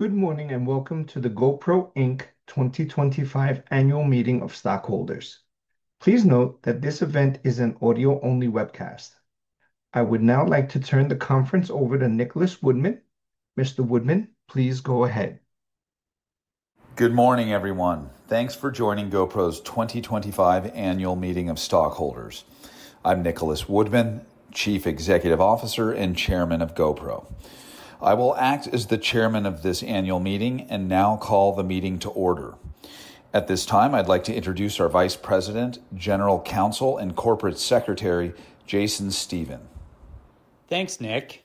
Good morning and welcome to the GoPro Inc 2025 Annual Meeting of Stockholders. Please note that this event is an audio-only webcast. I would now like to turn the conference over to Nicholas Woodman. Mr. Woodman, please go ahead. Good morning, everyone. Thanks for joining GoPro's 2025 Annual Meeting of Stockholders. I'm Nicholas Woodman, Chief Executive Officer and Chairman of GoPro. I will act as the Chairman of this Annual Meeting and now call the meeting to order. At this time, I'd like to introduce our Vice President, General Counsel, and Corporate Secretary, Jason Steven. Thanks, Nick.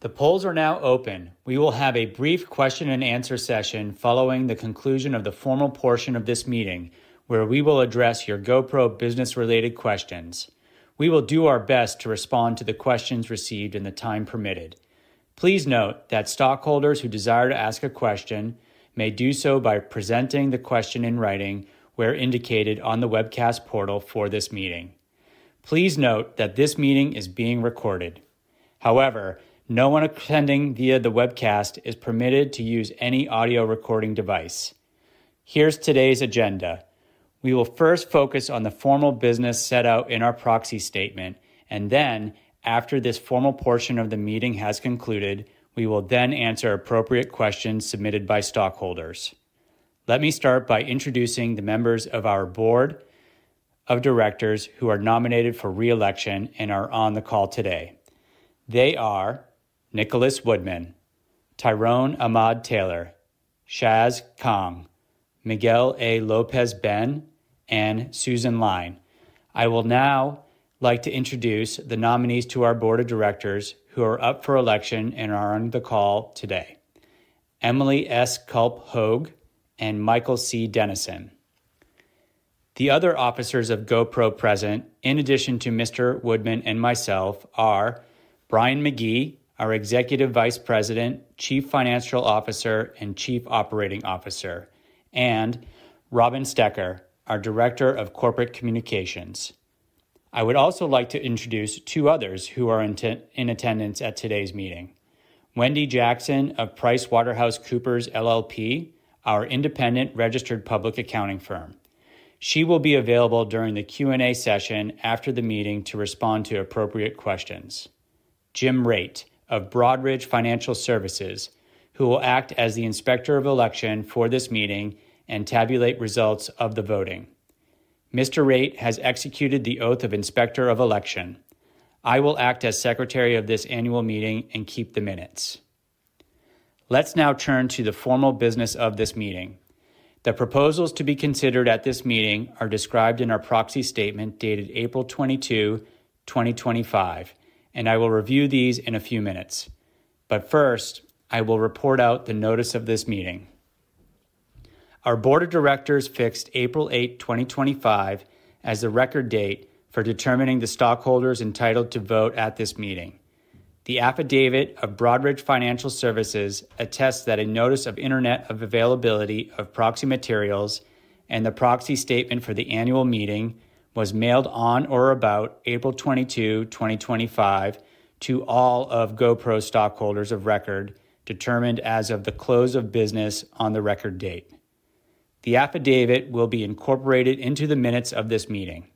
The polls are now open. We will have a brief question-and-answer session following the conclusion of the formal portion of this meeting, where we will address your GoPro business-related questions. We will do our best to respond to the questions received in the time permitted. Please note that stockholders who desire to ask a question may do so by presenting the question in writing where indicated on the webcast portal for this meeting. Please note that this meeting is being recorded. However, no one attending via the webcast is permitted to use any audio recording device. Here is today's agenda. We will first focus on the formal business set out in our proxy statement, and then, after this formal portion of the meeting has concluded, we will then answer appropriate questions submitted by stockholders. Let me start by introducing the members of our Board of Directors who are nominated for re-election and are on the call today. They are Nicholas Woodman, Tyrone Ahmad-Taylor, Shaz Kahng, Miguel A. Lopez Ben, and Susan Lyne. I will now like to introduce the nominees to our Board of Directors who are up for election and are on the call today: Emily S. Culp Hogue and Michael C. Dennison. The other officers of GoPro present, in addition to Mr. Woodman and myself, are Brian McGee, our Executive Vice President, Chief Financial Officer, and Chief Operating Officer, and Robin Stoecker, our Director of Corporate Communications. I would also like to introduce two others who are in attendance at today's meeting: Wendy Jackson of PricewaterhouseCoopers LLP, our independent registered public accounting firm. She will be available during the Q&A session after the meeting to respond to appropriate questions. Jim Raitt of Broadridge Financial Services, who will act as the Inspector of Election for this meeting and tabulate results of the voting. Mr. Raitt has executed the oath of Inspector of Election. I will act as Secretary of this Annual Meeting and keep the minutes. Let's now turn to the formal business of this meeting. The proposals to be considered at this meeting are described in our proxy statement dated April 22, 2025, and I will review these in a few minutes. First, I will report out the notice of this meeting. Our Board of Directors fixed April 8, 2025, as the record date for determining the stockholders entitled to vote at this meeting. The affidavit of Broadridge Financial Services attests that a notice of internet availability of proxy materials and the proxy statement for the Annual Meeting was mailed on or about April 22, 2025, to all of GoPro stockholders of record determined as of the close of business on the record date. The affidavit will be incorporated into the minutes of this meeting.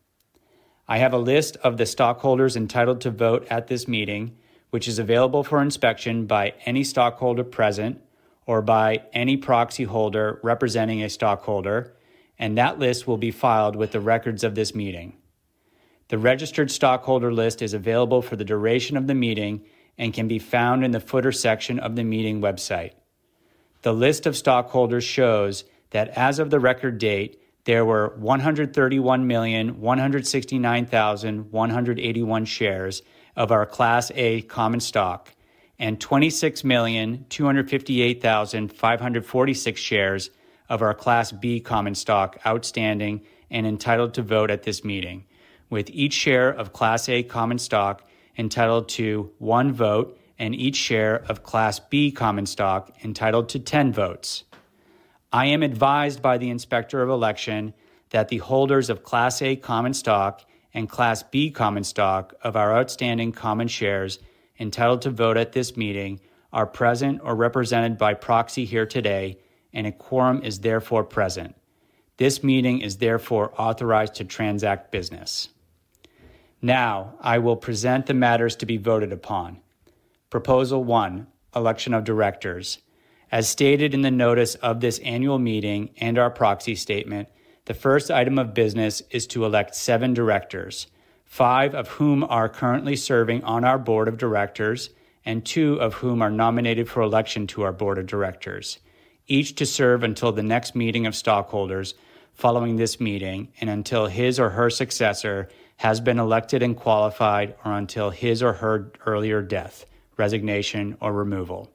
I have a list of the stockholders entitled to vote at this meeting, which is available for inspection by any stockholder present or by any proxy holder representing a stockholder, and that list will be filed with the records of this meeting. The registered stockholder list is available for the duration of the meeting and can be found in the footer section of the meeting website. The list of stockholders shows that as of the record date, there were 131,169,181 shares of our Class A common stock and 26,258,546 shares of our Class B common stock outstanding and entitled to vote at this meeting, with each share of Class A common stock entitled to one vote and each share of Class B common stock entitled to 10 votes. I am advised by the Inspector of Election that the holders of Class A common stock and Class B common stock of our outstanding common shares entitled to vote at this meeting are present or represented by proxy here today, and a quorum is therefore present. This meeting is therefore authorized to transact business. Now, I will present the matters to be voted upon. Proposal One, Election of Directors. As stated in the notice of this Annual Meeting and our proxy statement, the first item of business is to elect seven directors, five of whom are currently serving on our Board of Directors and two of whom are nominated for election to our Board of Directors, each to serve until the next meeting of stockholders following this meeting and until his or her successor has been elected and qualified or until his or her earlier death, resignation, or removal.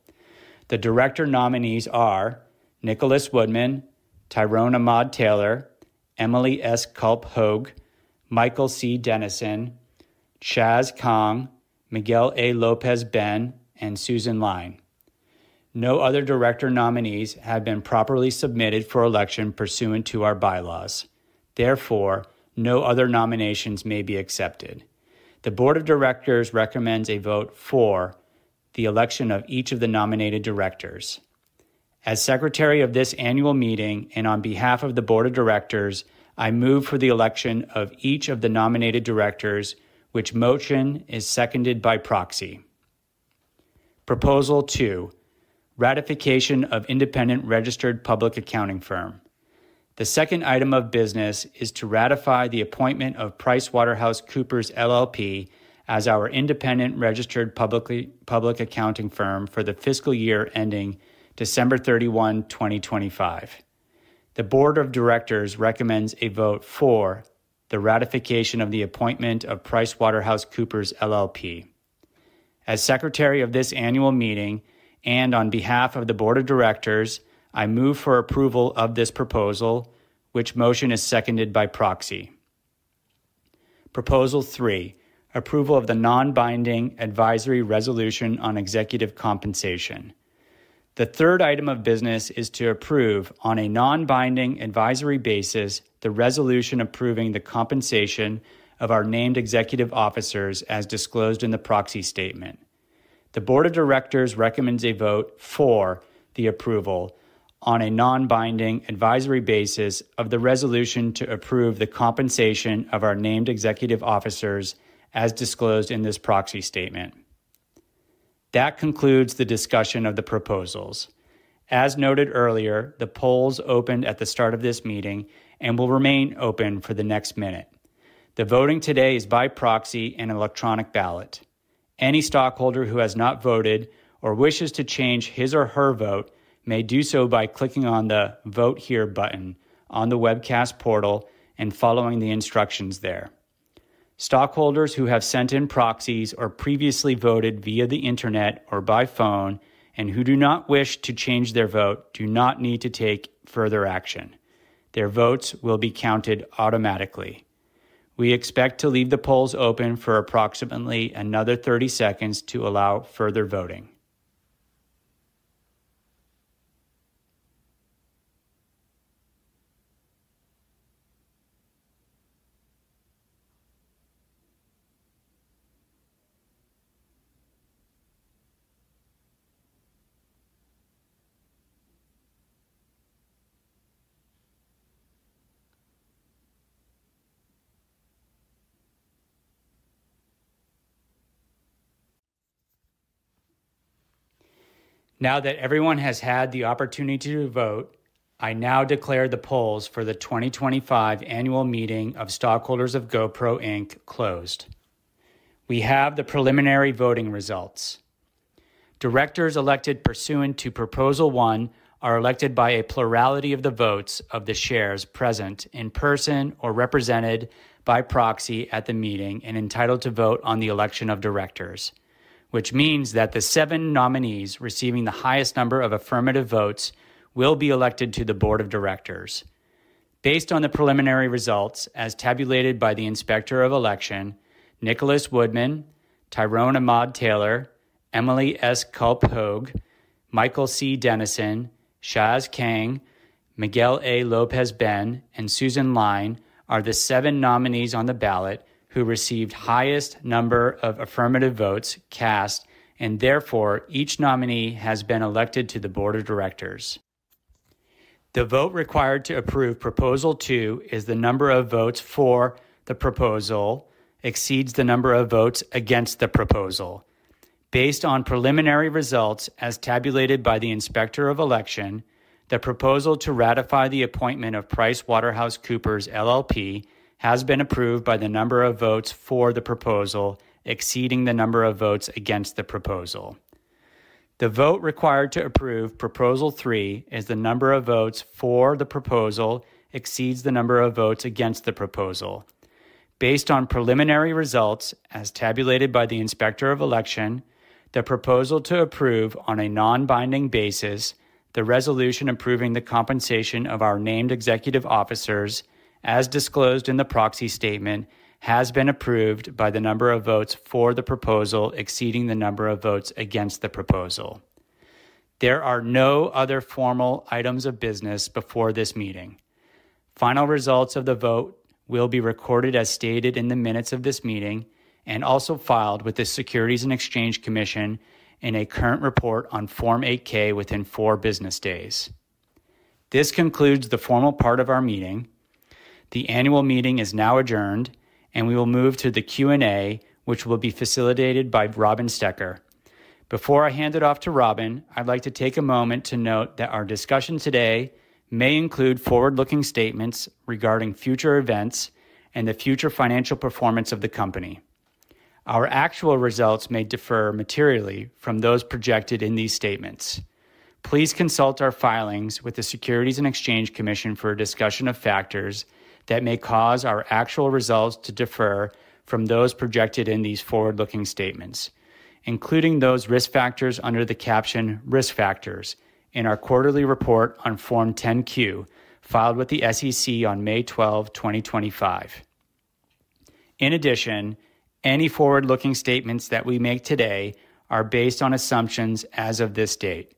The director nominees are Nicholas Woodman, Tyrone Ahmad-Taylor, Emily S. Culp Hogue, Michael C. Dennison, Shaz Kahng, Miguel A. Lopez Ben, and Susan Lyne. No other director nominees have been properly submitted for election pursuant to our bylaws. Therefore, no other nominations may be accepted. The Board of Directors recommends a vote for the election of each of the nominated directors. As Secretary of this Annual Meeting and on behalf of the Board of Directors, I move for the election of each of the nominated directors, which motion is seconded by proxy. Proposal Two, Ratification of Independent Registered Public Accounting Firm. The second item of business is to ratify the appointment of PricewaterhouseCoopers LLP as our independent registered public accounting firm for the fiscal year ending December 31, 2025. The Board of Directors recommends a vote for the ratification of the appointment of PricewaterhouseCoopers LLP. As Secretary of this Annual Meeting and on behalf of the Board of Directors, I move for approval of this proposal, which motion is seconded by proxy. Proposal Three, Approval of the Non-Binding Advisory Resolution on Executive Compensation. The third item of business is to approve on a non-binding advisory basis the resolution approving the compensation of our named executive officers as disclosed in the proxy statement. The Board of Directors recommends a vote for the approval on a non-binding advisory basis of the resolution to approve the compensation of our named executive officers as disclosed in this proxy statement. That concludes the discussion of the proposals. As noted earlier, the polls opened at the start of this meeting and will remain open for the next minute. The voting today is by proxy and electronic ballot. Any stockholder who has not voted or wishes to change his or her vote may do so by clicking on the Vote Here button on the webcast portal and following the instructions there. Stockholders who have sent in proxies or previously voted via the internet or by phone and who do not wish to change their vote do not need to take further action. Their votes will be counted automatically. We expect to leave the polls open for approximately another 30 seconds to allow further voting. Now that everyone has had the opportunity to vote, I now declare the polls for the 2025 Annual Meeting of Stockholders of GoPro closed. We have the preliminary voting results. Directors elected pursuant to Proposal One are elected by a plurality of the votes of the shares present in person or represented by proxy at the meeting and entitled to vote on the election of directors, which means that the seven nominees receiving the highest number of affirmative votes will be elected to the Board of Directors. Based on the preliminary results, as tabulated by the Inspector of Election, Nicholas Woodman, Tyrone Ahmad-Taylor, Emily S. Culp Hogue, Michael C. Dennison, Shaz Kahng, Miguel A. Lopez Ben, and Susan Lyne are the seven nominees on the ballot who received the highest number of affirmative votes cast, and therefore each nominee has been elected to the Board of Directors. The vote required to approve Proposal Two is the number of votes for the proposal exceeds the number of votes against the proposal. Based on preliminary results as tabulated by the Inspector of Election, the proposal to ratify the appointment of PricewaterhouseCoopers LLP has been approved by the number of votes for the proposal exceeding the number of votes against the proposal. The vote required to approve Proposal Three is the number of votes for the proposal exceeds the number of votes against the proposal. Based on preliminary results as tabulated by the Inspector of Election, the proposal to approve on a non-binding basis the resolution approving the compensation of our named executive officers as disclosed in the proxy statement has been approved by the number of votes for the proposal exceeding the number of votes against the proposal. There are no other formal items of business before this meeting. Final results of the vote will be recorded as stated in the minutes of this meeting and also filed with the Securities and Exchange Commission in a current report on Form 8-K within four business days. This concludes the formal part of our meeting. The Annual Meeting is now adjourned, and we will move to the Q&A, which will be facilitated by Robin Stoecker. Before I hand it off to Robin, I'd like to take a moment to note that our discussion today may include forward-looking statements regarding future events and the future financial performance of the company. Our actual results may differ materially from those projected in these statements. Please consult our filings with the Securities and Exchange Commission for a discussion of factors that may cause our actual results to differ from those projected in these forward-looking statements, including those risk factors under the caption Risk Factors in our quarterly report on Form 10-Q filed with the SEC on May 12, 2025. In addition, any forward-looking statements that we make today are based on assumptions as of this date.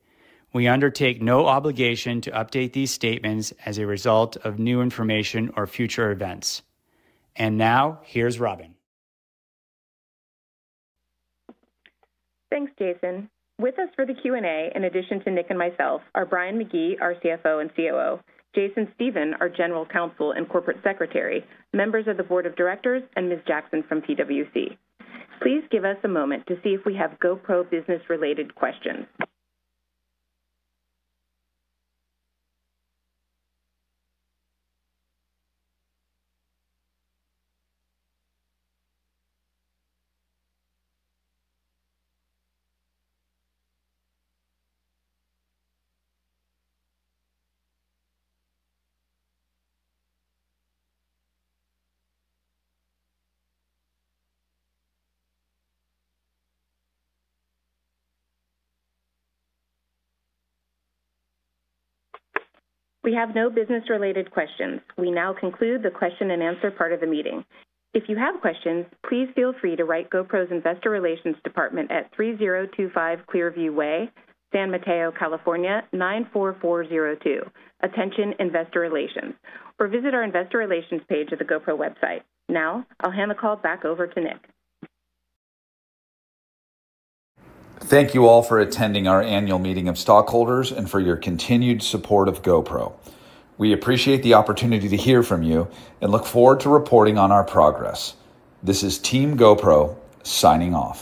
We undertake no obligation to update these statements as a result of new information or future events. Now, here's Robin. Thanks, Jason. With us for the Q&A, in addition to Nick and myself, are Brian McGee, our CFO and COO, Jason Steven, our General Counsel and Corporate Secretary, members of the Board of Directors, and Ms. Jackson from PwC. Please give us a moment to see if we have GoPro business-related questions. We have no business-related questions. We now conclude the question-and-answer part of the meeting. If you have questions, please feel free to write GoPro's Investor Relations Department at 3025 Clearview Way, San Mateo, California 94402, attention Investor Relations, or visit our Investor Relations page of the GoPro website. Now, I'll hand the call back over to Nick. Thank you all for attending our Annual Meeting of Stockholders and for your continued support of GoPro. We appreciate the opportunity to hear from you and look forward to reporting on our progress. This is Team GoPro signing off.